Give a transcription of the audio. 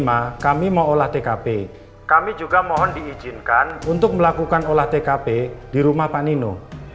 aku mau melakukan ulah tkp di rumah pak nino